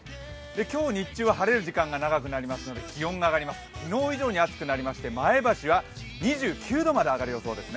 今日、日中は晴れる時間が長くなりますので、気温が上がります、昨日以上に高くなって前橋は２９度まで上がる予想です。